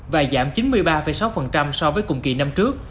và giảm chín mươi ba sáu so với cùng kỳ năm trước